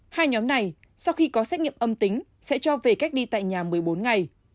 hai nhóm này sau khi có xét nghiệm âm tính sẽ cho về cách ly tại nhà một mươi bốn ngày